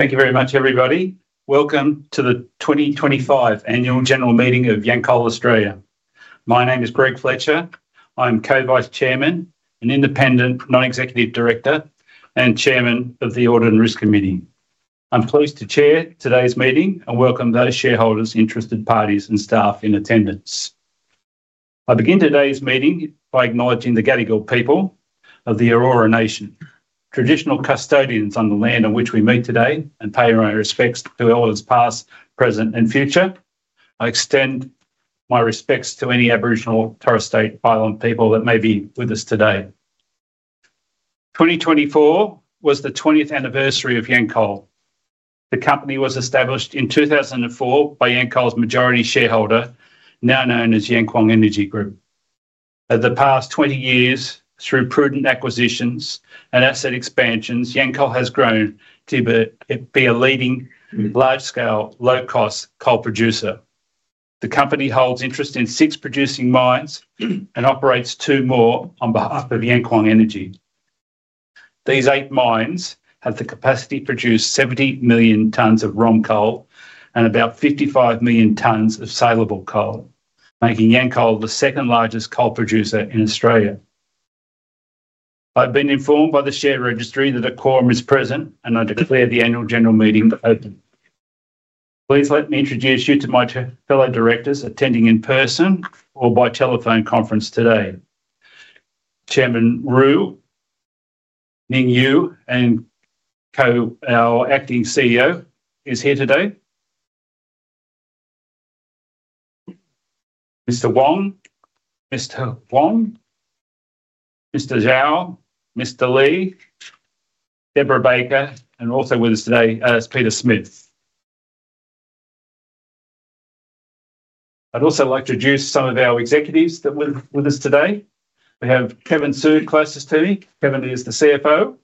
Thank you very much, everybody. Welcome to the 2025 Annual General Meeting of Yancoal Australia. My name is Greg Fletcher. I'm Co-Vice Chairman, an independent on-executive Director, and Chairman of the Audit and Risk Committee. I'm pleased to chair today's meeting and welcome those shareholders, interested parties, and staff in attendance. I begin today's meeting by acknowledging the Gadigal people of the Eora Nation, traditional custodians on the land on which we meet today, and pay our respects to elders past, present, and future. I extend my respects to any Aboriginal, Torres Strait Islander people that may be with us today. 2024 was the 20th anniversary of Yancoal. The company was established in 2004 by Yancoal's majority shareholder, now known as Yancoal Energy Group. Over the past 20 years, through prudent acquisitions and asset expansions, Yancoal has grown to be a leading large-scale, low-cost coal producer. The company holds interest in six producing mines and operates two more on behalf of Yancoal Energy. These eight mines have the capacity to produce 70 million tonnes of ROM coal and about 55 million tonnes of saleable coal, making Yancoal the second largest coal producer in Australia. I've been informed by the share registry that a quorum is present, and I declare the Annual General Meeting open. Please let me introduce you to my fellow directors attending in person or by telephone conference today. Chairman Ru, Ning Yue, and our acting CEO is here today. Mr. Huang, Mr. Zhao, Mr. Li, Debra Bakker, and also with us today is Peter Smith. I'd also like to introduce some of our executives that are with us today. We have Kevin Su, closest to me. Kevin is the CFO.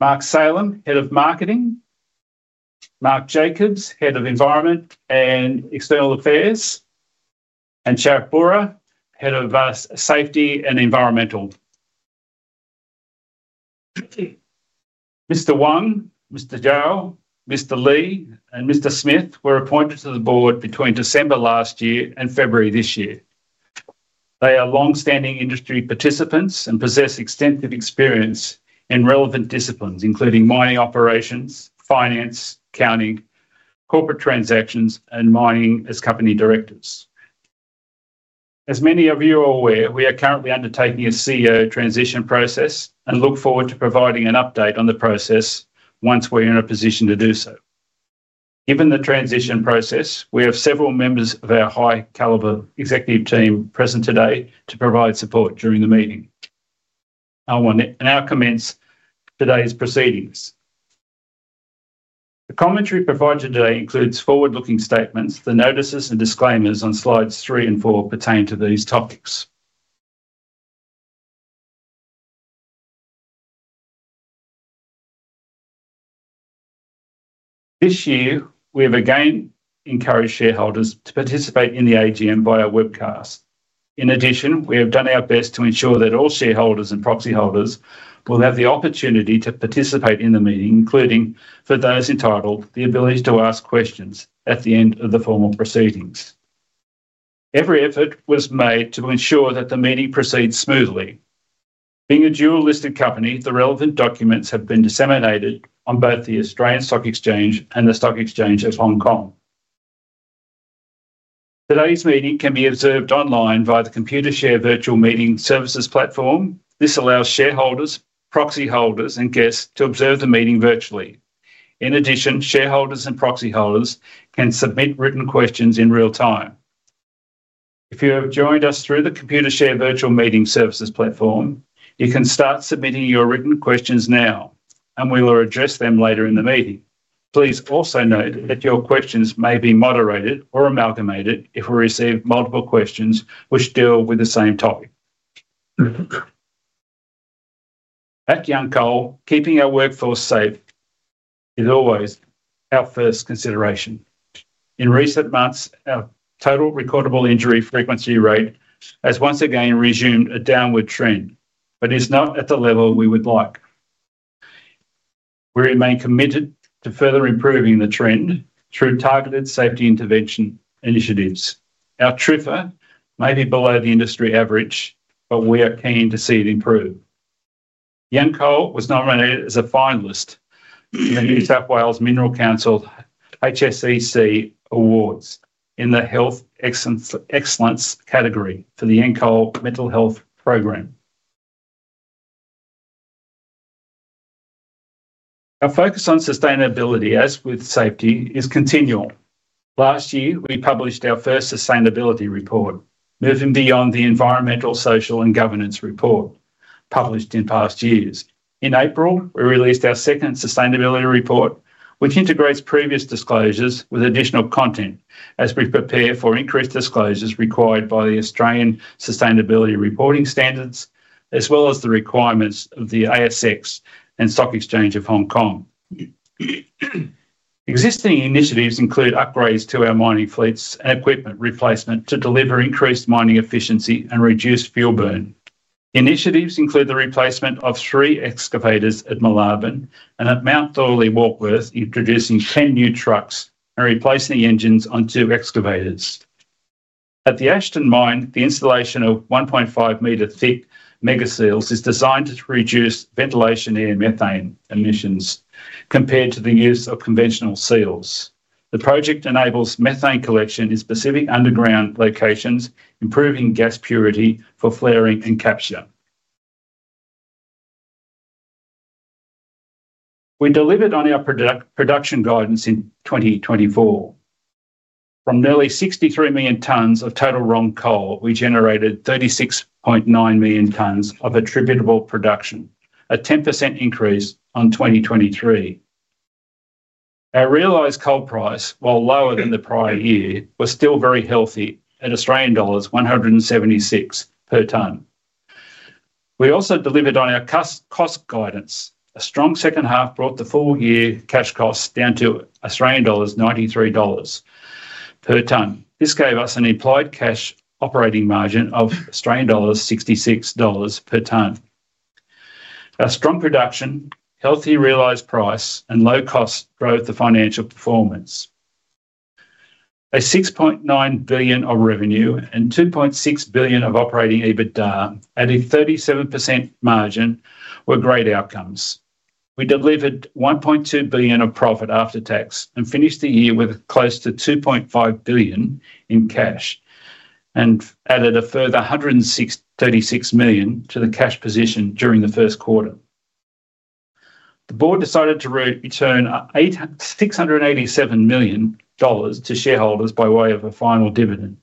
Mark Salem, Head of Marketing. Mark Jacobs, Head of Environment and External Affairs. Sharif Burra, Head of Safety and Environment. Mr. Huang, Mr. Zhao, Mr. Li, and Mr. Smith were appointed to the Board between December last year and February this year. They are long-standing industry participants and possess extensive experience in relevant disciplines, including mining operations, finance, accounting, corporate transactions, and mining as company directors. As many of you are aware, we are currently undertaking a CEO transition process and look forward to providing an update on the process once we're in a position to do so. Given the transition process, we have several members of our high-caliber executive team present today to provide support during the meeting. I'll now commence today's proceedings. The commentary provided today includes forward-looking statements, the notices, and disclaimers on slides three and four pertaining to these topics. This year, we have again encouraged shareholders to participate in the AGM via webcast. In addition, we have done our best to ensure that all shareholders and proxy holders will have the opportunity to participate in the meeting, including for those entitled, the ability to ask questions at the end of the formal proceedings. Every effort was made to ensure that the meeting proceeds smoothly. Being a dual-listed company, the relevant documents have been disseminated on both the Australian Stock Exchange and the Stock Exchange of Hong Kong. Today's meeting can be observed online via the Computershare Virtual Meeting Services platform. This allows shareholders, proxy holders, and guests to observe the meeting virtually. In addition, shareholders and proxy holders can submit written questions in real time. If you have joined us through the Computershare Virtual Meeting Services platform, you can start submitting your written questions now, and we will address them later in the meeting. Please also note that your questions may be moderated or amalgamated if we receive multiple questions which deal with the same topic. At Yancoal, keeping our workforce safe is always our first consideration. In recent months, our total recordable injury frequency rate has once again resumed a downward trend, but it's not at the level we would like. We remain committed to further improving the trend through targeted safety intervention initiatives. Our TRIFR may be below the industry average, but we are keen to see it improve. Yancoal was nominated as a finalist in the New South Wales Mineral Council HSEC Awards in the Health Excellence category for the Yancoal Mental Health Program. Our focus on sustainability, as with safety, is continual. Last year, we published our first sustainability report, moving beyond the Environmental, Social, and Governance report published in past years. In April, we released our second sustainability report, which integrates previous disclosures with additional content as we prepare for increased disclosures required by the Australian Sustainability Reporting Standards, as well as the requirements of the ASX and Stock Exchange of Hong Kong. Existing initiatives include upgrades to our mining fleets and equipment replacement to deliver increased mining efficiency and reduce fuel burn. Initiatives include the replacement of three excavators at Moolarben and at Mount Thorley Warkworth, introducing 10 new trucks and replacing the engines on two excavators. At the Ashton Mine, the installation of 1.5-meter thick mega seals is designed to reduce ventilation air methane emissions compared to the use of conventional seals. The project enables methane collection in specific underground locations, improving gas purity for flaring and capture. We delivered on our production guidance in 2024. From nearly 63 million tonnes of total ROM coal, we generated 36.9 million tonnes of attributable production, a 10% increase on 2023. Our realised coal price, while lower than the prior year, was still very healthy at Australian dollars 176 per tonne. We also delivered on our cost guidance. A strong second half brought the full year cash costs down to Australian dollars 93 per tonne. This gave us an implied cash operating margin of Australian dollars 66 per tonne. Our strong production, healthy realised price, and low-cost drove the financial performance. 6.9 billion of revenue and 2.6 billion of operating EBITDA, adding 37% margin, were great outcomes. We delivered 1.2 billion of profit after tax and finished the year with close to 2.5 billion in cash and added a further 136 million to the cash position during the first quarter. The Board decided to return 687 million dollars to shareholders by way of a final dividend.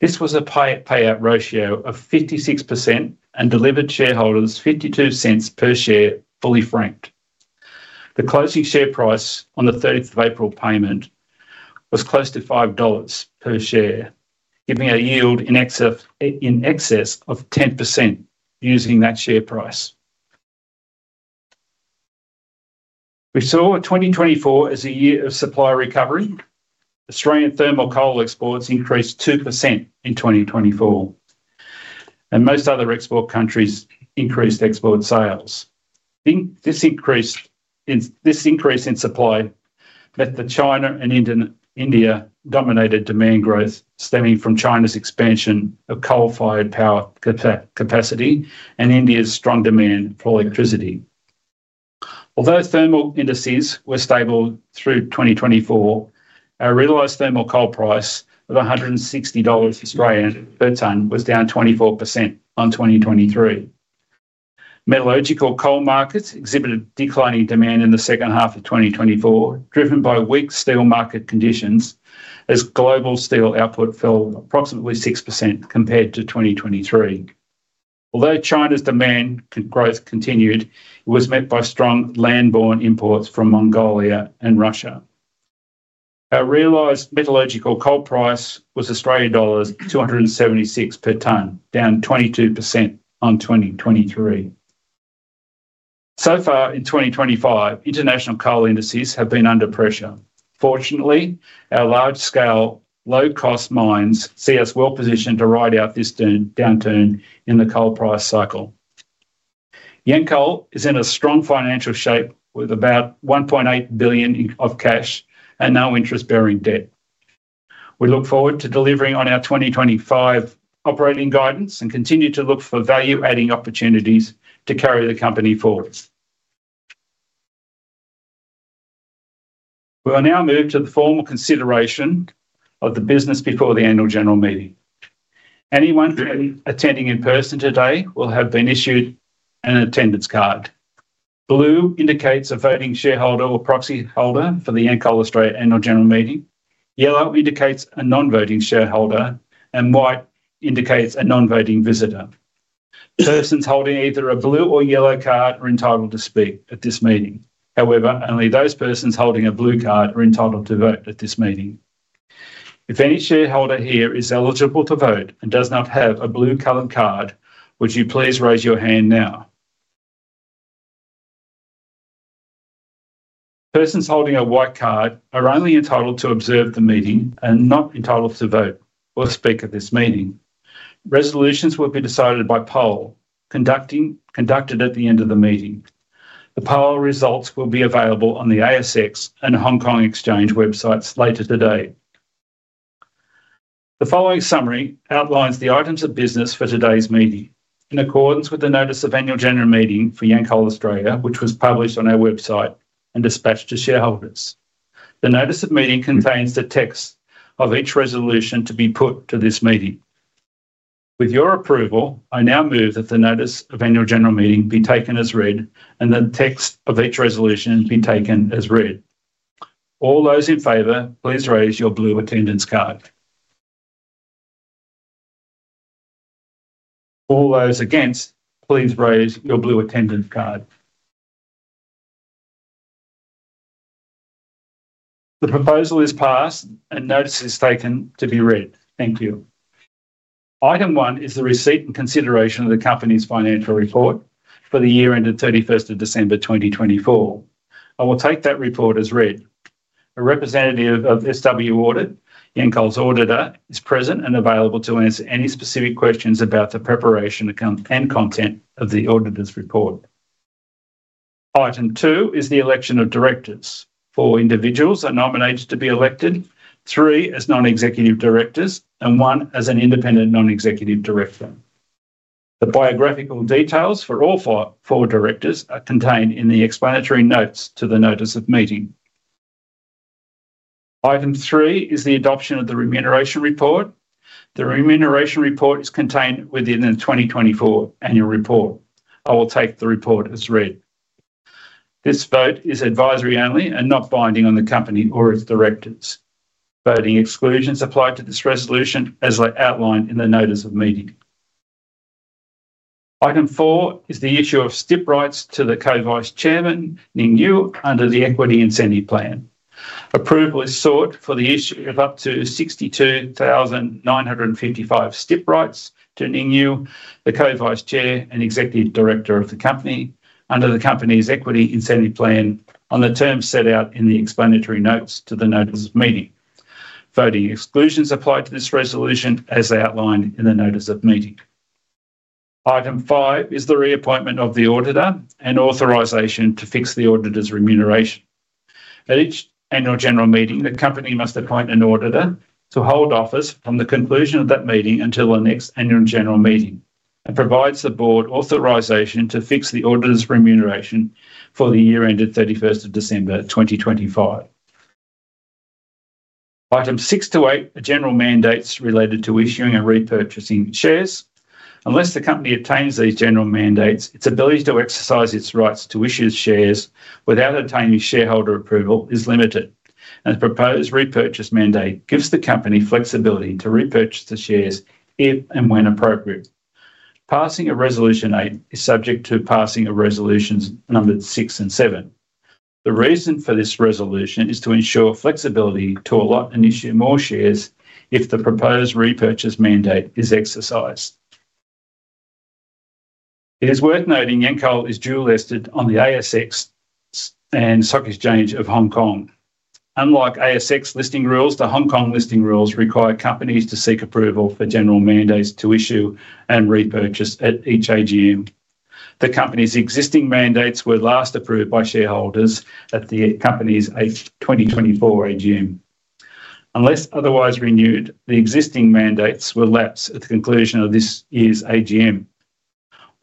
This was a payout ratio of 56% and delivered shareholders 0.52 per share fully franked. The closing share price on the [3rd] of April payment was close to 5 dollars per share, giving a yield in excess of 10% using that share price. We saw 2024 as a year of supply recovery. Australian thermal coal exports increased 2% in 2024, and most other export countries increased export sales. This increase in supply met the China and India dominated demand growth stemming from China's expansion of coal-fired power capacity and India's strong demand for electricity. Although thermal indices were stable through 2024, our realized thermal coal price of 160 Australian dollars per tonne was down 24% on 2023. Metallurgical coal markets exhibited declining demand in the second half of 2024, driven by weak steel market conditions as global steel output fell approximately 6% compared to 2023. Although China's demand growth continued, it was met by strong land-borne imports from Mongolia and Russia. Our realized metallurgical coal price was dollars 276 per tonne, down 22% on 2023. So far in 2025, international coal indices have been under pressure. Fortunately, our large-scale, low-cost mines see us well positioned to ride out this downturn in the coal price cycle. Yancoal is in a strong financial shape with about 1.8 billion of cash and no interest-bearing debt. We look forward to delivering on our 2025 operating guidance and continue to look for value-adding opportunities to carry the company forward. We will now move to the formal consideration of the business before the Annual General Meeting. Anyone attending in person today will have been issued an attendance card. Blue indicates a voting shareholder or proxy holder for the Yancoal Australia Annual General Meeting. Yellow indicates a non-voting shareholder, and white indicates a non-voting visitor. Persons holding either a blue or yellow card are entitled to speak at this meeting. However, only those persons holding a blue card are entitled to vote at this meeting. If any shareholder here is eligible to vote and does not have a blue colored card, would you please raise your hand now? Persons holding a white card are only entitled to observe the meeting and not entitled to vote or speak at this meeting. Resolutions will be decided by poll conducted at the end of the meeting. The poll results will be available on the ASX and Hong Kong Exchange websites later today. The following summary outlines the items of business for today's meeting in accordance with the Notice of Annual General Meeting for Yancoal Australia, which was published on our website and dispatched to shareholders. The Notice of Meeting contains the text of each resolution to be put to this meeting. With your approval, I now move that the Notice of Annual General Meeting be taken as read and the text of each resolution be taken as read. All those in favor, please raise your blue attendance card. All those against, please raise your blue attendance card. The proposal is passed and notice is taken to be read. Thank you. Item one is the receipt and consideration of the company's financial report for the year ended 31st of December 2024. I will take that report as read. A representative of SW Audit, Yancoal's auditor, is present and available to answer any specific questions about the preparation and content of the auditor's report. Item two is the election of directors. Four individuals are nominated to be elected. Three as non-executive directors and one as an independent non-executive director. The biographical details for all four directors are contained in the explanatory notes to the Notice of Meeting. Item three is the adoption of the remuneration report. The remuneration report is contained within the 2024 annual report. I will take the report as read. This vote is advisory only and not binding on the company or its directors. Voting exclusions apply to this resolution as outlined in the Notice of Meeting. Item four is the issue of stripped rights to the Co-Vice Chairman, Ning Yue, under the Equity Incentive Plan. Approval is sought for the issue of up to 62,955 stripped rights to Ning Yue, the Co-Vice Chairman and executive director of the company under the company's Equity Incentive Plan on the terms set out in the explanatory notes to the Notice of Meeting. Voting exclusions apply to this resolution as outlined in the Notice of Meeting. Item five is the reappointment of the auditor and authorization to fix the auditor's remuneration. At each Annual General Meeting, the company must appoint an auditor to hold office from the conclusion of that meeting until the next Annual General Meeting and provides the Board authorization to fix the auditor's remuneration for the year ended 31st of December 2025. Items six to eight are general mandates related to issuing and repurchasing shares. Unless the company obtains these general mandates, its ability to exercise its rights to issue shares without obtaining shareholder approval is limited. The proposed repurchase mandate gives the company flexibility to repurchase the shares if and when appropriate. Passing a resolution eight is subject to passing of resolutions numbered six and seven. The reason for this resolution is to ensure flexibility to allot and issue more shares if the proposed repurchase mandate is exercised. It is worth noting Yancoal is dual-listed on the ASX and Stock Exchange of Hong Kong. Unlike ASX listing rules, the Hong Kong listing rules require companies to seek approval for general mandates to issue and repurchase at each AGM. The company's existing mandates were last approved by shareholders at the company's 2024 AGM. Unless otherwise renewed, the existing mandates will lapse at the conclusion of this year's AGM.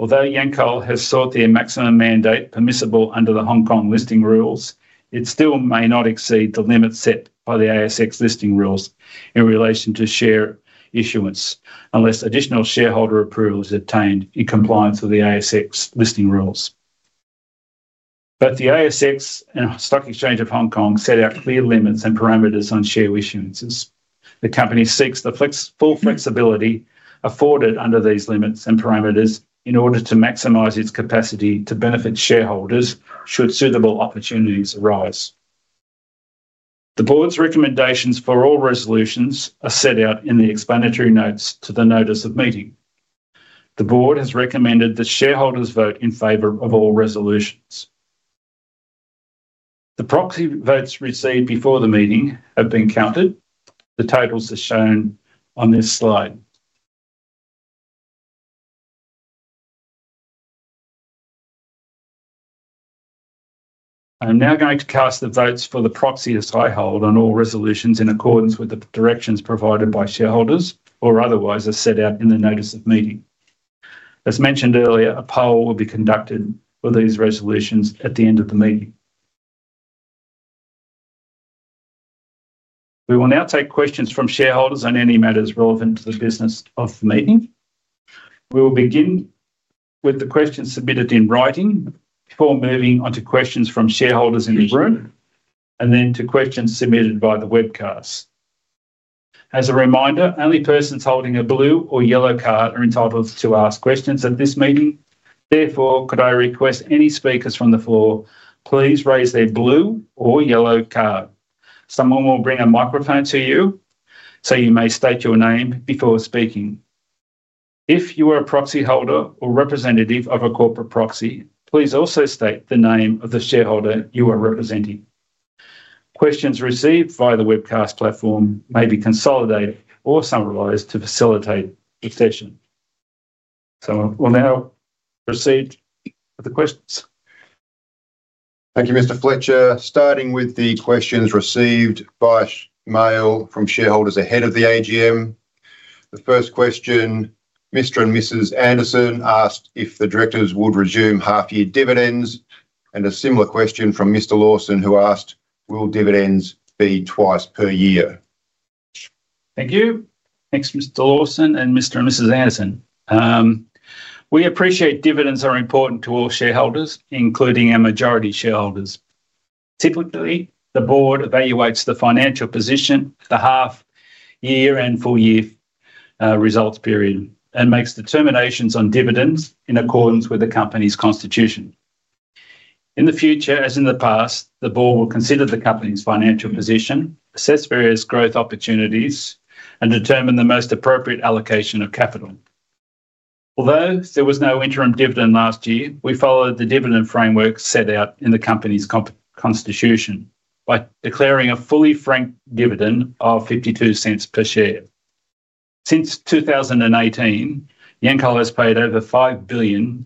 Although Yancoal has sought their maximum mandate permissible under the Hong Kong Listing Rules, it still may not exceed the limit set by the ASX Listing Rules in relation to share issuance unless additional shareholder approval is obtained in compliance with the ASX Listing Rules. Both the ASX and Stock Exchange of Hong Kong set out clear limits and parameters on share issuances. The company seeks the full flexibility afforded under these limits and parameters in order to maximize its capacity to benefit shareholders should suitable opportunities arise. The Board's recommendations for all resolutions are set out in the explanatory notes to the Notice of Meeting. The Board has recommended that shareholders vote in favor of all resolutions. The proxy votes received before the meeting have been counted. The totals are shown on this slide. I'm now going to cast the votes for the proxy as I hold on all resolutions in accordance with the directions provided by shareholders or otherwise as set out in the Notice of Meeting. As mentioned earlier, a poll will be conducted for these resolutions at the end of the meeting. We will now take questions from shareholders on any matters relevant to the business of the meeting. We will begin with the questions submitted in writing before moving on to questions from shareholders in the room and then to questions submitted by the webcast. As a reminder, only persons holding a blue or yellow card are entitled to ask questions at this meeting. Therefore, could I request any speakers from the floor please raise their blue or yellow card? Someone will bring a microphone to you so you may state your name before speaking. If you are a proxy holder or representative of a corporate proxy, please also state the name of the shareholder you are representing. Questions received via the webcast platform may be consolidated or summarised to facilitate the session. We will now proceed with the questions. Thank you, Mr. Fletcher. Starting with the questions received by mail from shareholders ahead of the AGM. The first question, Mr. and Mrs. Anderson asked if the directors would resume half-year dividends. A similar question from Mr. Lawson, who asked, will dividends be twice per year? Thank you. Thanks, Mr. Lawson and Mr. and Mrs. Anderson. We appreciate dividends are important to all shareholders, including our majority shareholders. Typically, the Board evaluates the financial position for half-year and full-year results period and makes determinations on dividends in accordance with the company's constitution. In the future, as in the past, the Board will consider the company's financial position, assess various growth opportunities, and determine the most appropriate allocation of capital. Although there was no interim dividend last year, we followed the dividend framework set out in the company's constitution by declaring a fully-franked dividend of 0.52 per share. Since 2018, Yancoal has paid over 5 billion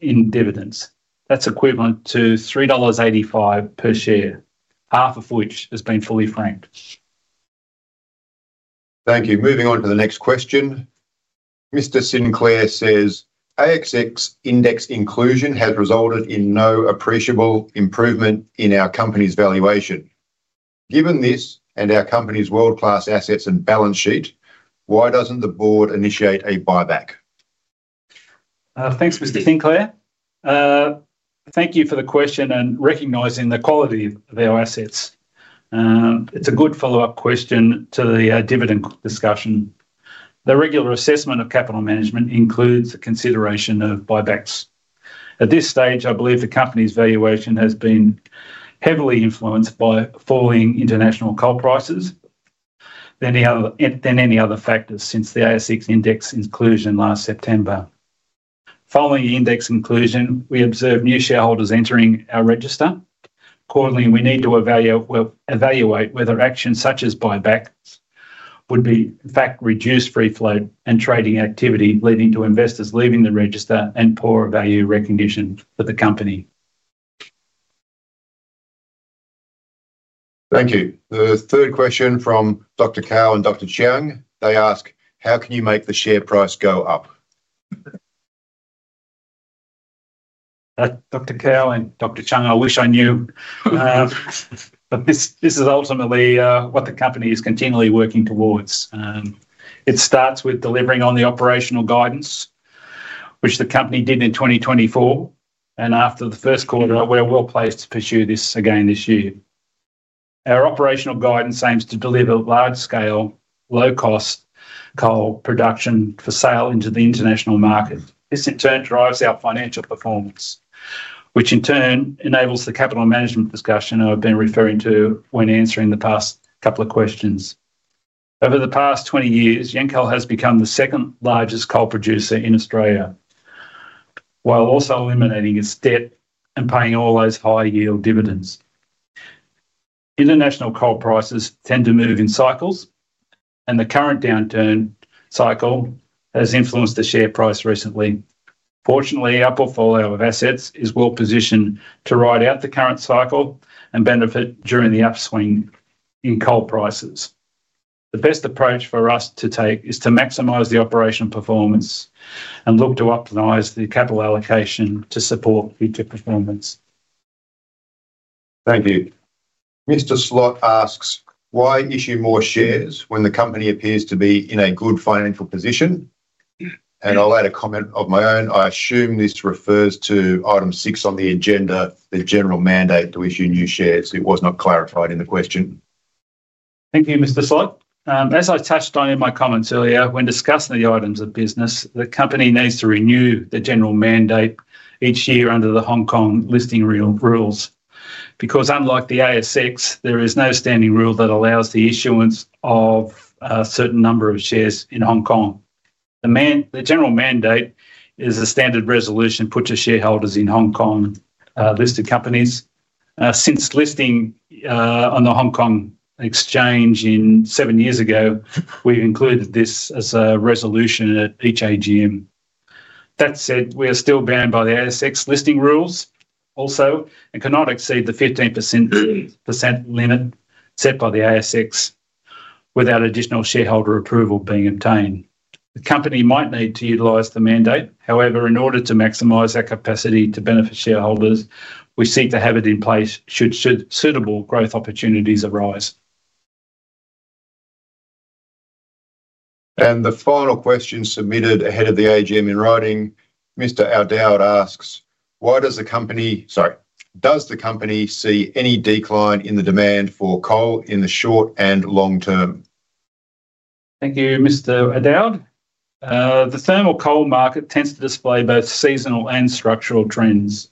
in dividends. That's equivalent to 3.85 dollars per share, half of which has been fully franked. Thank you. Moving on to the next question. Mr. Sinclair says, "ASX index inclusion has resulted in no appreciable improvement in our company's valuation. Given this and our company's world-class assets and balance sheet, why doesn't the Board initiate a buyback?" Thanks, Mr. Sinclair. Thank you for the question and recognizing the quality of our assets. It's a good follow-up question to the dividend discussion. The regular assessment of capital management includes the consideration of buybacks. At this stage, I believe the company's valuation has been heavily influenced by falling international coal prices than any other factors since the ASX index inclusion last September. Following the index inclusion, we observed new shareholders entering our register. Accordingly, we need to evaluate whether actions such as buybacks would, in fact, reduce free float and trading activity leading to investors leaving the register and poor value recognition for the company. Thank you. The third question from Dr. Cao and Dr. Chiang. They ask, "How can you make the share price go up?" Dr. Cao and Dr. Chiang, I wish I knew. But this is ultimately what the company is continually working towards. It starts with delivering on the operational guidance, which the company did in 2024. After the first quarter, we're well placed to pursue this again this year. Our operational guidance aims to deliver large-scale, low-cost coal production for sale into the international market. This, in turn, drives our financial performance, which in turn enables the capital management discussion I've been referring to when answering the past couple of questions. Over the past 20 years, Yancoal has become the second largest coal producer in Australia while also eliminating its debt and paying all those high-yield dividends. International coal prices tend to move in cycles, and the current downturn cycle has influenced the share price recently. Fortunately, our portfolio of assets is well positioned to ride out the current cycle and benefit during the upswing in coal prices. The best approach for us to take is to maximise the operational performance and look to optimise the capital allocation to support future performance. Thank you. Mr. Slot asks, "Why issue more shares when the company appears to be in a good financial position?" I will add a comment of my own. I assume this refers to item six on the agenda, the general mandate to issue new shares. It was not clarified in the question. Thank you, Mr. Slot. As I touched on in my comments earlier, when discussing the items of business, the company needs to renew the general mandate each year under the Hong Kong listing rules. Because unlike the ASX, there is no standing rule that allows the issuance of a certain number of shares in Hong Kong. The general mandate is a standard resolution put to shareholders in Hong Kong-listed companies. Since listing on the Hong Kong exchange seven years ago, we have included this as a resolution at each AGM. That said, we are still bound by the ASX Listing Rules also and cannot exceed the 15% limit set by the ASX without additional shareholder approval being obtained. The company might need to utilize the mandate. However, in order to maximize our capacity to benefit shareholders, we seek to have it in place should suitable growth opportunities arise. The final question submitted ahead of the AGM in writing, Mr. [Adaud] asks, "Why does the company—sorry, does the company see any decline in the demand for coal in the short and long term?" Thank you, Mr. [Adaud]. The thermal coal market tends to display both seasonal and structural trends.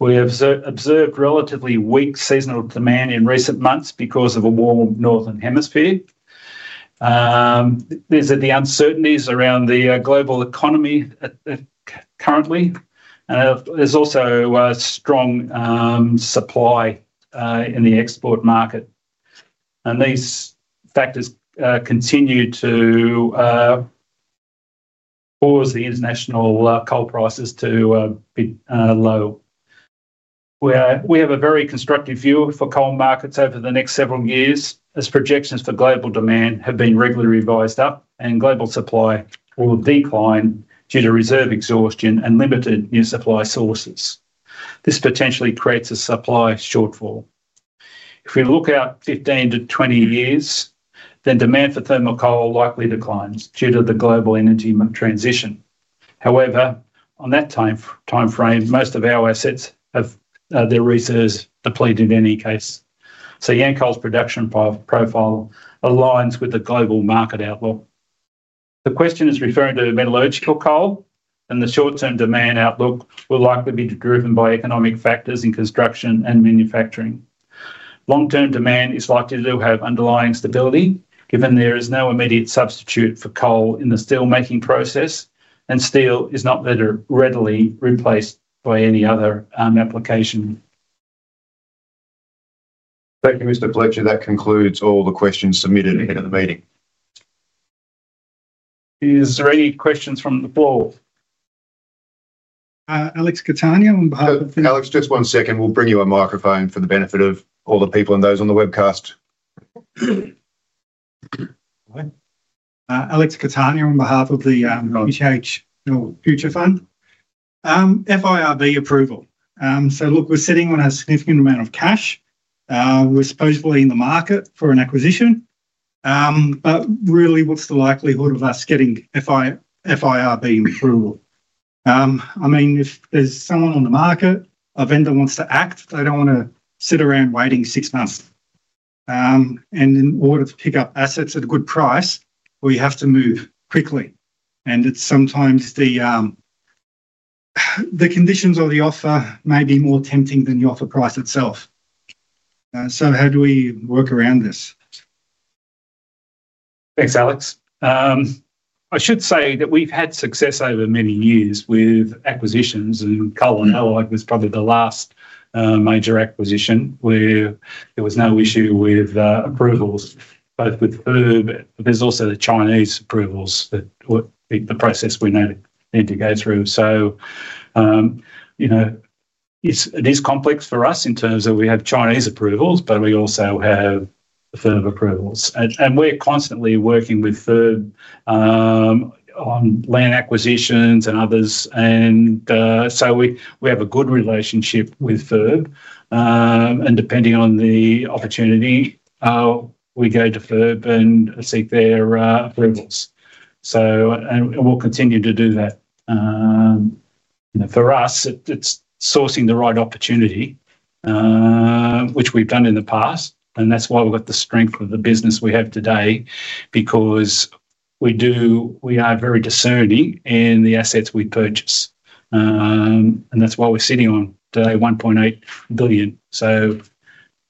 We have observed relatively weak seasonal demand in recent months because of a warm northern hemisphere. There are uncertainties around the global economy currently. There is also a strong supply in the export market. These factors continue to cause the international coal prices to be low. We have a very constructive view for coal markets over the next several years as projections for global demand have been regularly revised up, and global supply will decline due to reserve exhaustion and limited new supply sources. This potentially creates a supply shortfall. If we look out 15-20 years, then demand for thermal coal likely declines due to the global energy transition. However, on that timeframe, most of our assets have their reserves depleted in any case. Yancoal's production profile aligns with the global market outlook. The question is referring to metallurgical coal, and the short-term demand outlook will likely be driven by economic factors in construction and manufacturing. Long-term demand is likely to have underlying stability given there is no immediate substitute for coal in the steelmaking process, and steel is not readily replaced by any other application. Thank you, Mr. Fletcher. That concludes all the questions submitted ahead of the meeting. Are there any questions from the floor? Alex Catania on behalf of— Alex, just one second. We'll bring you a microphone for the benefit of all the people and those on the webcast. Alex Catania on behalf of the HH Future Fund. FIRB approval. So look, we're sitting on a significant amount of cash. We're supposedly in the market for an acquisition. I mean, what's the likelihood of us getting FIRB approval? I mean, if there's someone on the market, a vendor wants to act, they don't want to sit around waiting six months. In order to pick up assets at a good price, we have to move quickly. Sometimes the conditions or the offer may be more tempting than the offer price itself. How do we work around this? Thanks, Alex. I should say that we've had success over many years with acquisitions, and Coal & Allied was probably the last major acquisition where there was no issue with approvals, both with FIRB. There are also the Chinese approvals that were the process we need to go through. It is complex for us in terms of we have Chinese approvals, but we also have FIRB approvals. We are constantly working with FIRB on land acquisitions and others. We have a good relationship with FIRB. Depending on the opportunity, we go to FIRB and seek their approvals. We will continue to do that. For us, it's sourcing the right opportunity, which we've done in the past. That's why we've got the strength of the business we have today, because we are very discerning in the assets we purchase. That's why we're sitting on today 1.8 billion.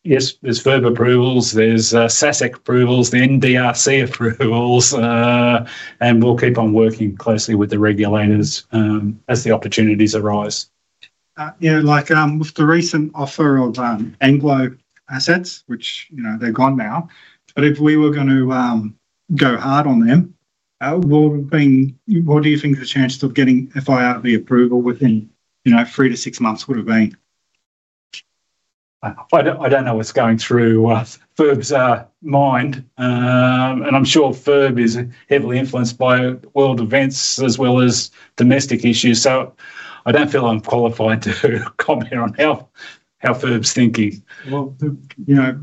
Yes, there's FIRB approvals, there's SASAC approvals, the NDRC approvals. We'll keep on working closely with the regulators as the opportunities arise. Yeah, like with the recent offer of Anglo-assets, which they're gone now. If we were going to go hard on them, what do you think the chances of getting FIRB approval within three to six months would have been? I don't know what's going through FIRB's mind. I'm sure FIRB is heavily influenced by world events as well as domestic issues. I don't feel I'm qualified to comment on how FIRB's thinking.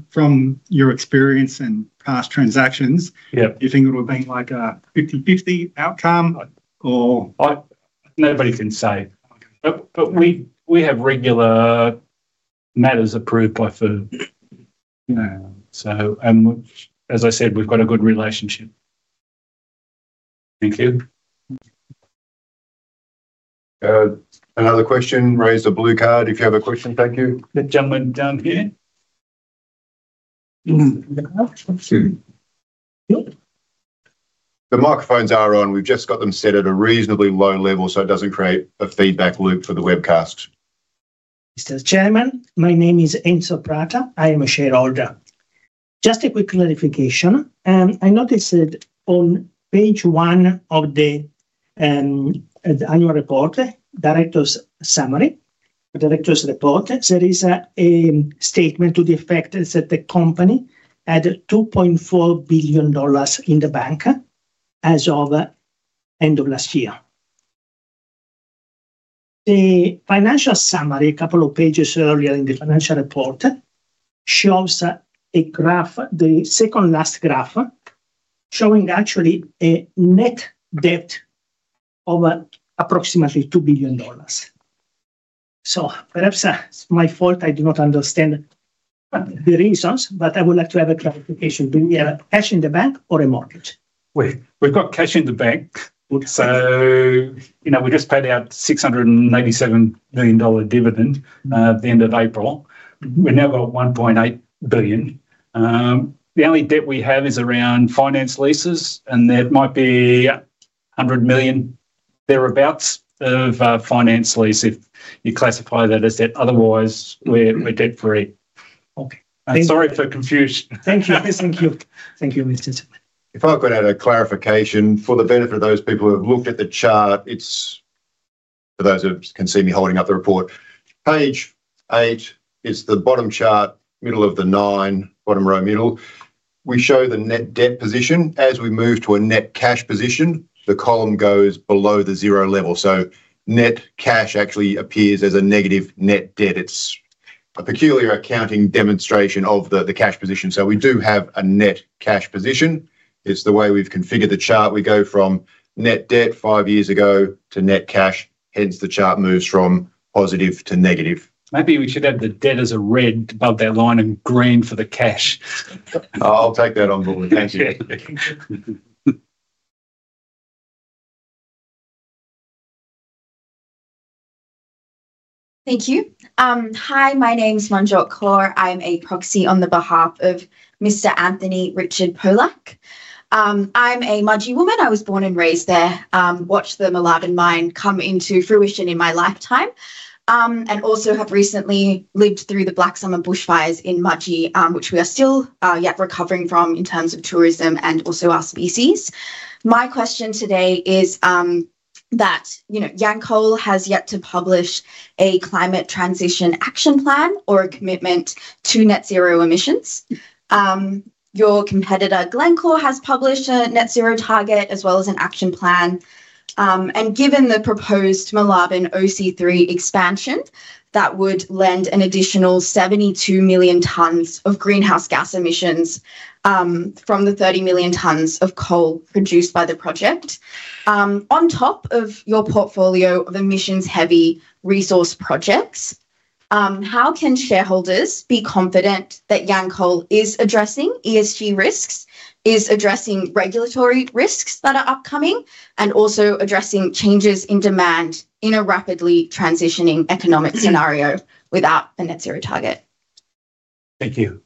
From your experience and past transactions, do you think it would have been like a 50/50 outcome or? Nobody can say. We have regular matters approved by FIRB. As I said, we've got a good relationship. Thank you. Another question raised a blue card. If you have a question, thank you. The gentleman down here. The microphones are on. We've just got them set at a reasonably low level so it doesn't create a feedback loop for the webcast. Mr. Chairman, my name is Enzo Peralta. I am a shareholder. Just a quick clarification. I noticed that on page one of the annual report, director's summary, director's report, there is a statement to the effect that the company had 2.4 billion dollars in the bank as of end of last year. The financial summary, a couple of pages earlier in the financial report, shows a graph, the second last graph, showing actually a net debt of approximately 2 billion dollars. So perhaps it's my fault. I do not understand the reasons, but I would like to have a clarification. Do we have cash in the bank or a mortgage? We've got cash in the bank. So we just paid out 687 million dollar dividend at the end of April. We're now got 1.8 billion. The only debt we have is around finance leases, and that might be 100 million thereabouts of finance lease if you classify that as debt. Otherwise, we're debt-free. Sorry for confusion. Thank you. Thank you. Thank you, Mr. [Sinclair]. If I could add a clarification for the benefit of those people who have looked at the chart, it's for those who can see me holding up the report. Page eight is the bottom chart, middle of the nine, bottom row middle. We show the net debt position. As we move to a net cash position, the column goes below the zero level. So net cash actually appears as a negative net debt. It is a peculiar accounting demonstration of the cash position. So we do have a net cash position. It is the way we have configured the chart. We go from net debt five years ago to net cash. Hence, the chart moves from positive to negative. Maybe we should add the debt as a red above their line and green for the cash. I will take that on Board. Thank you. Thank you. Hi, my name is Manjit Kaur. I am a proxy on the behalf of Mr. Anthony Richard Pollock. I am a Mudgee woman. I was born and raised there, watched the Moolarben Mine come into fruition in my lifetime, and also have recently lived through the Black Summer bushfires in Mudgee, which we are still yet recovering from in terms of tourism and also our species. My question today is that Yancoal has yet to publish a climate transition action plan or a commitment to net zero emissions. Your competitor, Glencore, has published a net zero target as well as an action plan. Given the proposed Moolarben OC3 expansion, that would lend an additional 72 million tons of greenhouse gas emissions from the 30 million tons of coal produced by the project. On top of your portfolio of emissions-heavy resource projects, how can shareholders be confident that Yancoal is addressing ESG risks, is addressing regulatory risks that are upcoming, and also addressing changes in demand in a rapidly transitioning economic scenario without a net zero target? Thank you.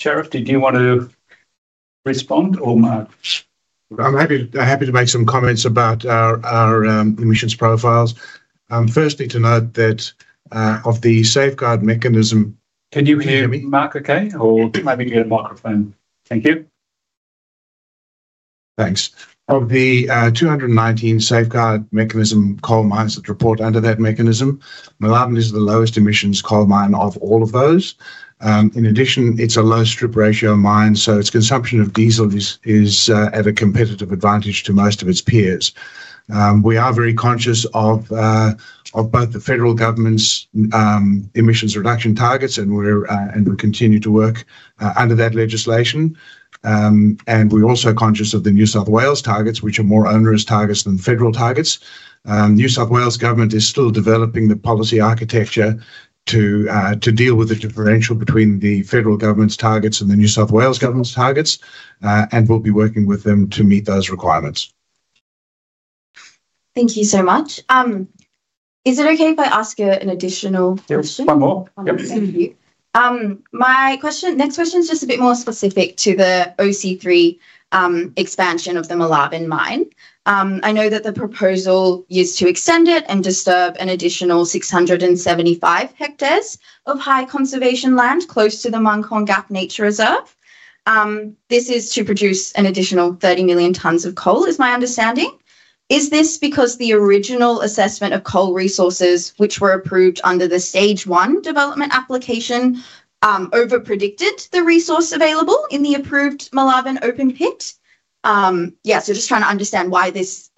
Sharif, did you want to respond or Mark? I'm happy to make some comments about our emissions profiles. First, I need to note that of the safeguard mechanism. Can you hear me, Mark? Okay. Or maybe get a microphone. Thank you. Thanks. Of the 219 safeguard mechanism coal mines that report under that mechanism, Moolarben is the lowest emissions coal mine of all of those. In addition, it's a low strip ratio mine, so its consumption of diesel is at a competitive advantage to most of its peers. We are very conscious of both the federal government's emissions reduction targets, and we continue to work under that legislation. We are also conscious of the New South Wales targets, which are more onerous targets than federal targets. The New South Wales government is still developing the policy architecture to deal with the differential between the federal government's targets and the New South Wales government's targets, and we'll be working with them to meet those requirements. Thank you so much. Is it okay if I ask an additional question? One more. Thank you. My next question is just a bit more specific to the OC3 expansion of the Moolarben mine. I know that the proposal is to extend it and disturb an additional 675 hectares of high conservation land close to the Munghorn Gap Nature Reserve. This is to produce an additional 30 million tons of coal, is my understanding. Is this because the original assessment of coal resources, which were approved under the stage one development application, overpredicted the resource available in the approved Moolarben open pit? Yeah, just trying to understand why this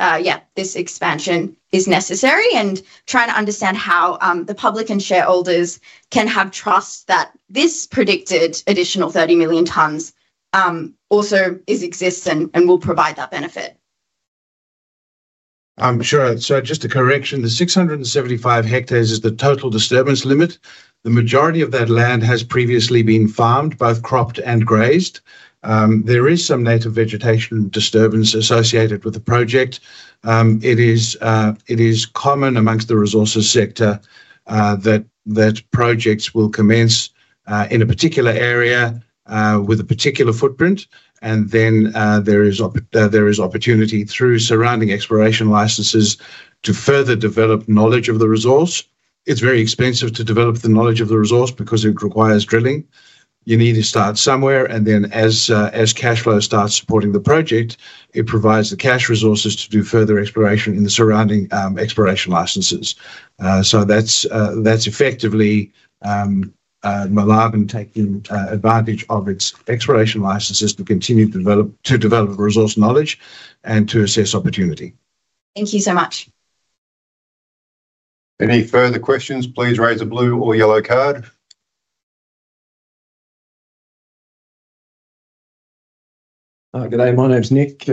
expansion is necessary and trying to understand how the public and shareholders can have trust that this predicted additional 30 million tons also exists and will provide that benefit. I'm sure. Just a correction. The 675 hectares is the total disturbance limit. The majority of that land has previously been farmed, both cropped and grazed. There is some native vegetation disturbance associated with the project. It is common amongst the resources sector that projects will commence in a particular area with a particular footprint. There is opportunity through surrounding exploration licenses to further develop knowledge of the resource. It's very expensive to develop the knowledge of the resource because it requires drilling. You need to start somewhere, and then as cash flow starts supporting the project, it provides the cash resources to do further exploration in the surrounding exploration licenses. So that's effectively Moolarben taking advantage of its exploration licenses to continue to develop resource knowledge and to assess opportunity. Thank you so much. Any further questions? Please raise a blue or yellow card. Good day. My name's Nick,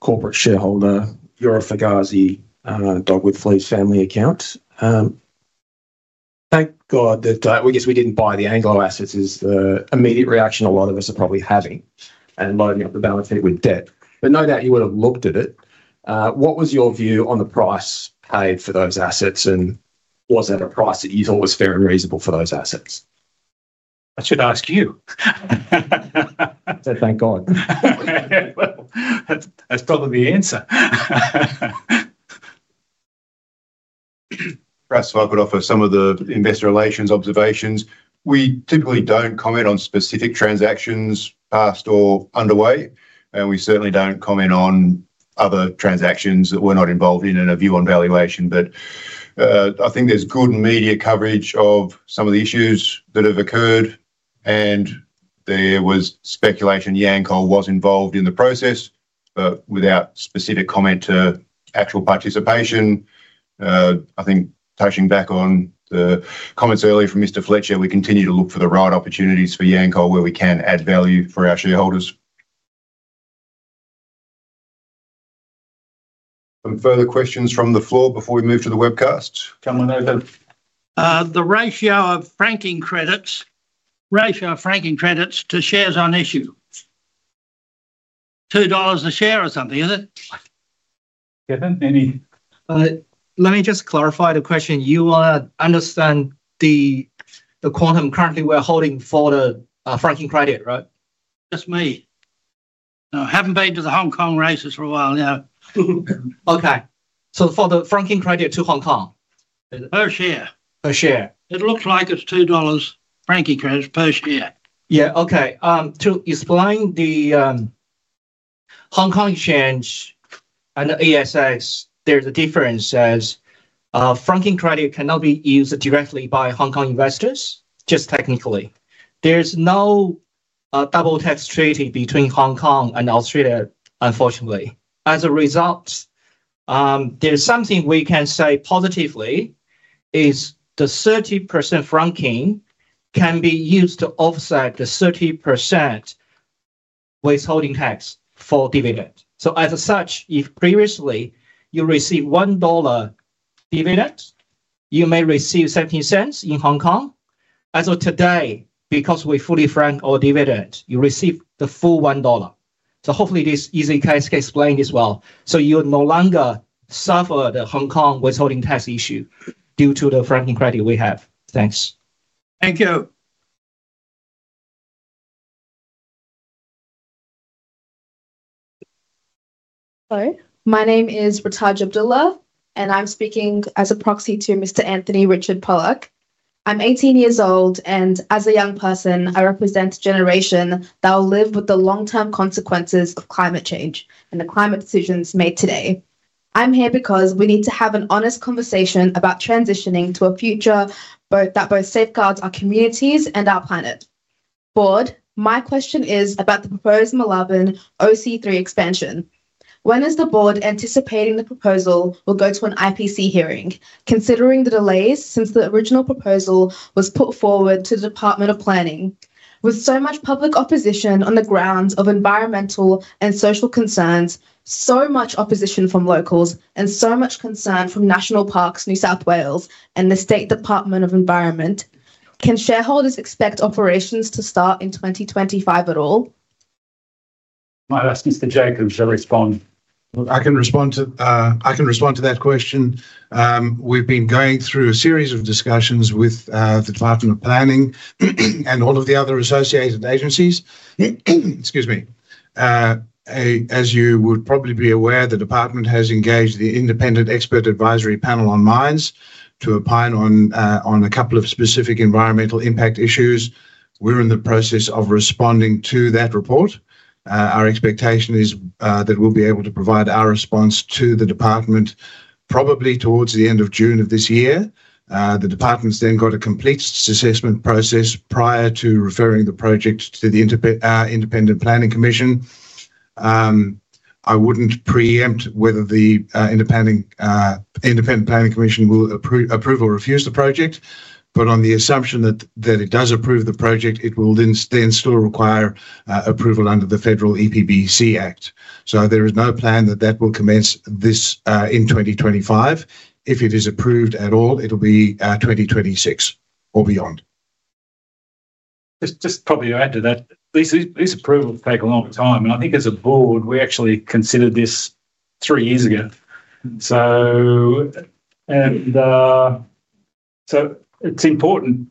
corporate shareholder, Bureau [Fegazi], Dogwood [Fleece] family account. Thank God that we didn't buy the Anglo-assets is the immediate reaction a lot of us are probably having and loading up the balance statement debt. No doubt you would have looked at it. What was your view on the price paid for those assets? Was that a price that you thought was fair and reasonable for those assets? I should ask you. I said, thank God. That's probably the answer. Perhaps I could offer some of the investor relations observations. We typically do not comment on specific transactions past or underway, and we certainly do not comment on other transactions that we are not involved in in a view on valuation. I think there is good media coverage of some of the issues that have occurred, and there was speculation Yancoal was involved in the process, but without specific comment to actual participation. I think touching back on the comments earlier from Mr. Fletcher, we continue to look for the right opportunities for Yancoal where we can add value for our shareholders. Some further questions from the floor before we move to the webcast? Come on over. The ratio of franking credits to shares on issue. 2 dollars a share or something, is it? Kevin, any? Let me just clarify the question. You want to understand the quantum currently we're holding for the franking credit, right? Just me. I haven't been to the Hong Kong races for a while. Okay. So for the franking credit to Hong Kong? Per share. Per share. It looks like it's 2 dollars franking credit per share. Yeah. Okay. To explain the Hong Kong exchange and the ESS, there's a difference as franking credit cannot be used directly by Hong Kong investors, just technically. There's no double tax treaty between Hong Kong and Australia, unfortunately. As a result, there's something we can say positively is the 30% franking can be used to offset the 30% withholding tax for dividend. As such, if previously you received 1 dollar dividend, you may receive 0.17 in Hong Kong. As of today, because we fully frank all dividends, you receive the full 1 dollar. Hopefully this easy case can explain this well. You no longer suffer the Hong Kong withholding tax issue due to the franking credit we have. Thanks. Thank you. Hello. My name is Ritaj Abdullah, and I'm speaking as a proxy to Mr. Anthony Richard Pollock. I'm 18 years old, and as a young person, I represent a generation that will live with the long-term consequences of climate change and the climate decisions made today. I'm here because we need to have an honest conversation about transitioning to a future that both safeguards our communities and our planet. Board, my question is about the proposed Moolarben OC3 expansion. When is the Board anticipating the proposal will go to an IPC hearing, considering the delays since the original proposal was put forward to the Department of Planning? With so much public opposition on the grounds of environmental and social concerns, so much opposition from locals, and so much concern from National Parks, New South Wales, and the State Department of Environment, can shareholders expect operations to start in 2025 at all? I'll ask Mr. Jacobs to respond. I can respond to that question. We've been going through a series of discussions with the Department of Planning and all of the other associated agencies. Excuse me. As you would probably be aware, the department has engaged the independent expert advisory panel on mines to opine on a couple of specific environmental impact issues. We're in the process of responding to that report. Our expectation is that we'll be able to provide our response to the department probably towards the end of June of this year. The department's then got a complete assessment process prior to referring the project to the Independent Planning Commission. I wouldn't preempt whether the Independent Planning Commission will approve or refuse the project, but on the assumption that it does approve the project, it will then still require approval under the Federal EPBC Act. There is no plan that that will commence this in 2025. If it is approved at all, it'll be 2026 or beyond. Just probably to add to that, this approval will take a long time. I think as a Board, we actually considered this three years ago. It is important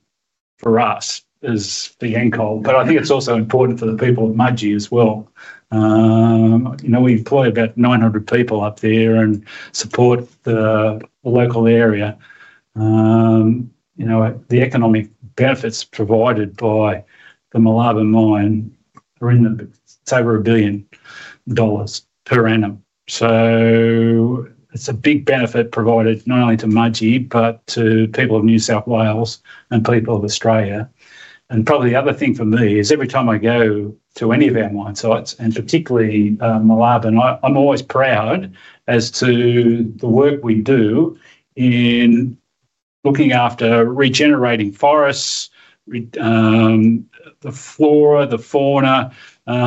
for us as the Yancoal, but I think it's also important for the people of Mudgee as well. We employ about 900 people up there and support the local area. The economic benefits provided by the Moolarben mine are in the over 1 billion dollars per annum. It is a big benefit provided not only to Mudgee, but to people of New South Wales and people of Australia. Probably the other thing for me is every time I go to any of our mine sites, and particularly Moolarben, I'm always proud as to the work we do in looking after regenerating forests, the flora, the fauna. We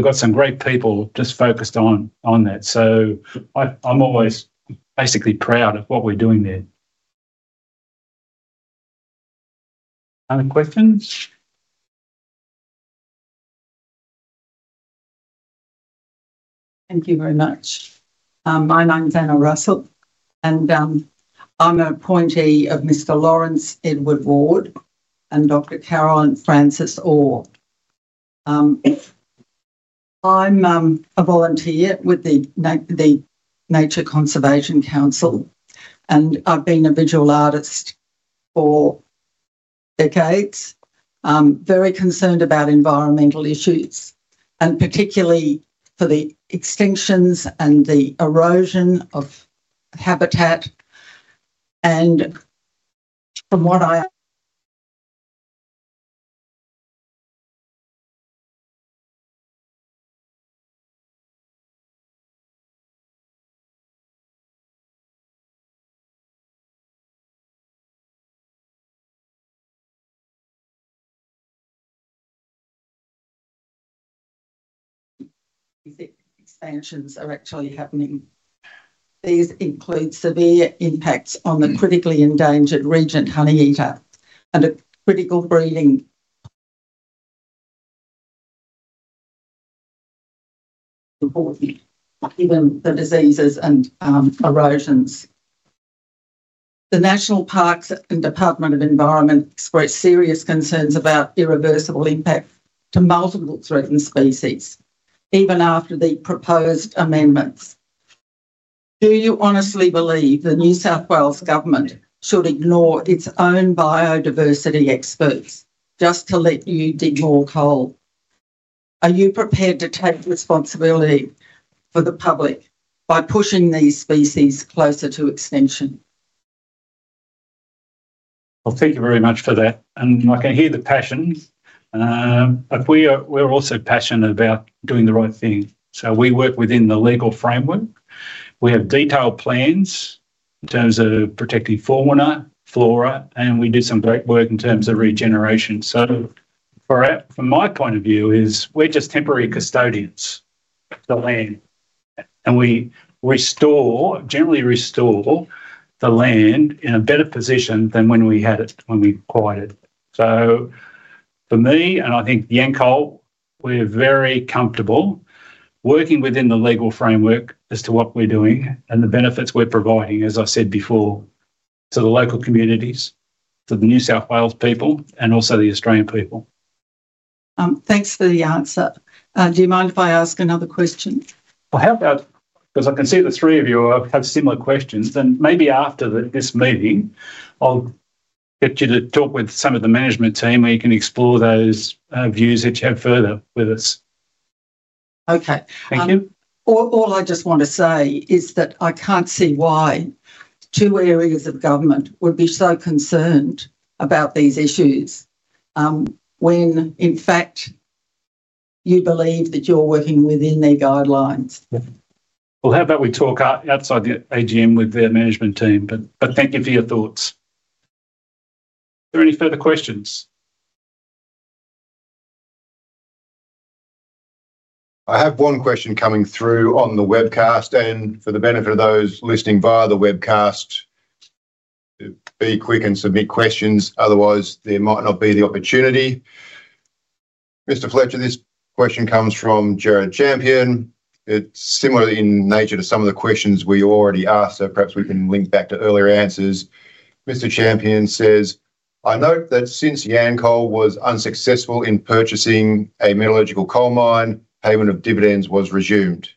have some great people just focused on that. I'm always basically proud of what we're doing there. Other questions? Thank you very much. My name's Anna Russell, and I'm an appointee of Mr. Lawrence Edward Ward and Dr. Carolyn Frances Orr. I'm a volunteer with the Nature Conservation Council, and I've been a visual artist for decades, very concerned about environmental issues, and particularly for the extinctions and the erosion of habitat. From what I... Expansions are actually happening. These include severe impacts on the critically endangered Regent Honeyeater and a critical breeding important, given the diseases and erosions. The National Parks and Department of Environment expressed serious concerns about irreversible impact to multiple threatened species, even after the proposed amendments. Do you honestly believe the New South Wales government should ignore its own biodiversity experts just to let you dig more coal? Are you prepared to take responsibility for the public by pushing these species closer to extinction? Thank you very much for that. I can hear the passion. We're also passionate about doing the right thing. We work within the legal framework. We have detailed plans in terms of protecting fauna, flora, and we do some great work in terms of regeneration. From my point of view, we're just temporary custodians of the land. We generally restore the land in a better position than when we had it, when we acquired it. For me, and I think Yancoal, we're very comfortable working within the legal framework as to what we're doing and the benefits we're providing, as I said before, to the local communities, to the New South Wales people, and also the Australian people. Thanks for the answer. Do you mind if I ask another question? Because I can see the three of you have similar questions, maybe after this meeting, I'll get you to talk with some of the management team where you can explore those views that you have further with us. Okay. Thank you. All I just want to say is that I can't see why two areas of government would be so concerned about these issues when, in fact, you believe that you're working within their guidelines. How about we talk outside the AGM with their management team? Thank you for your thoughts. Are there any further questions? I have one question coming through on the webcast, and for the benefit of those listening via the webcast, be quick and submit questions. Otherwise, there might not be the opportunity. Mr. Fletcher, this question comes from Jared Champion. It's similar in nature to some of the questions we already asked, so perhaps we can link back to earlier answers. Mr. Champion says, "I note that since Yancoal was unsuccessful in purchasing a metallurgical coal mine, payment of dividends was resumed.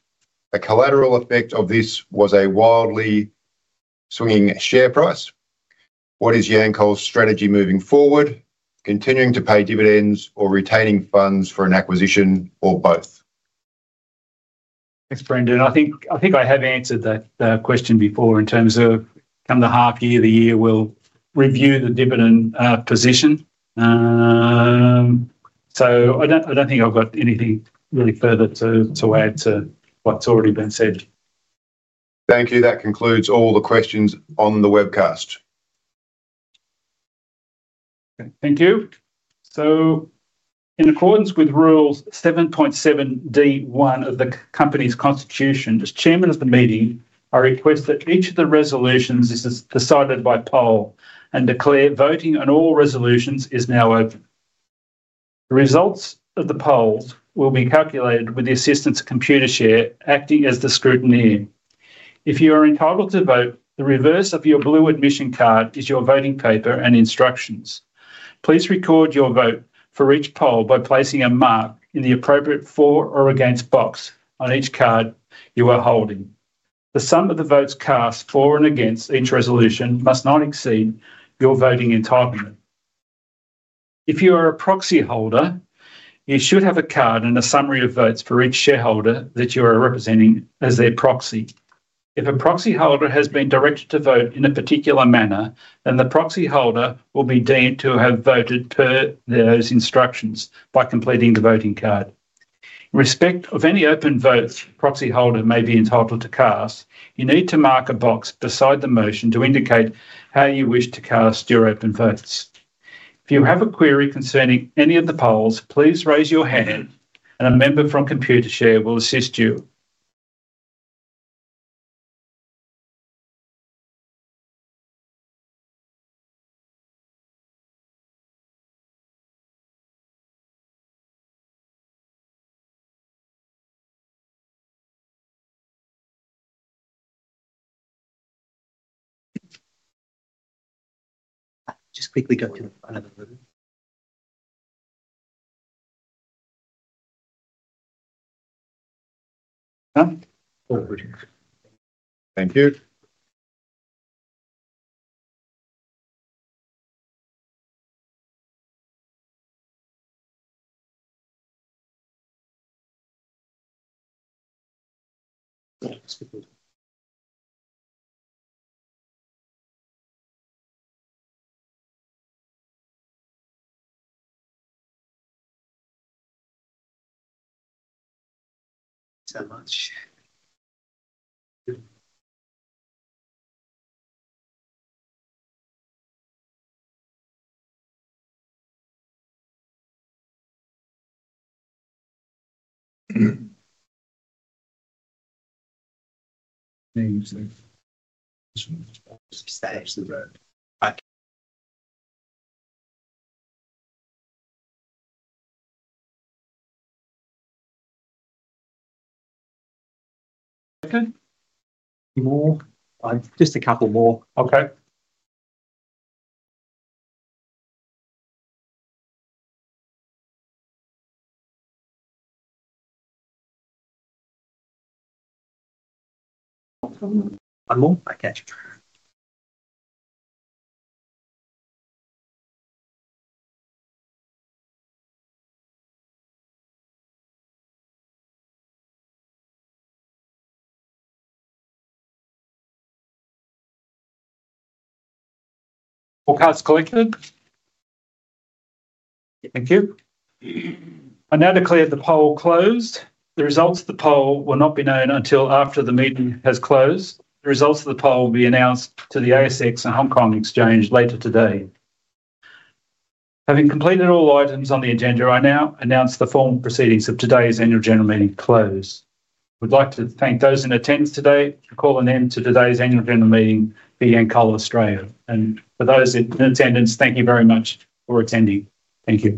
A collateral effect of this was a wildly swinging share price. What is Yancoal's strategy moving forward? Continuing to pay dividends or retaining funds for an acquisition or both? Thanks, [Brandon]. I think I have answered that question before in terms of come the half year, the year we'll review the dividend position. I don't think I've got anything really further to add to what's already been said. Thank you. That concludes all the questions on the webcast. Thank you. In accordance with Rules 7.7(d)(1) of the company's constitution, as Chairman of the meeting, I request that each of the resolutions is decided by poll and declare voting on all resolutions is now open. The results of the polls will be calculated with the assistance of Computershare acting as the scrutineer. If you are entitled to vote, the reverse of your blue admission card is your voting paper and instructions. Please record your vote for each poll by placing a mark in the appropriate for or against box on each card you are holding. The sum of the votes cast for and against each resolution must not exceed your voting entitlement. If you are a proxy holder, you should have a card and a summary of votes for each shareholder that you are representing as their proxy. If a proxy holder has been directed to vote in a particular manner, then the proxy holder will be deemed to have voted per those instructions by completing the voting card. In respect of any open votes proxy holder may be entitled to cast, you need to mark a box beside the motion to indicate how you wish to cast your open votes. If you have a query concerning any of the polls, please raise your hand, and a member from Computershare will assist you. Just quickly go to the front of the room. Thank you. Okay. Any more? Just a couple more. Okay. One more? Okay. All cards collected. Thank you. I now declare the poll closed. The results of the poll will not be known until after the meeting has closed. The results of the poll will be announced to the ASX and Hong Kong Exchange later today. Having completed all items on the agenda, I now announce the formal proceedings of today's annual general meeting closed. We'd like to thank those in attendance today for calling in to today's annual general meeting for Yancoal Australia. And for those in attendance, thank you very much for attending. Thank you.